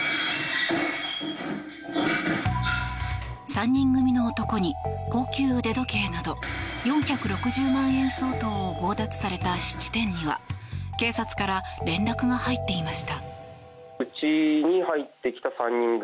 ３人組の男に高級腕時計など４６０万円相当を強奪された質店には警察から連絡が入っていました。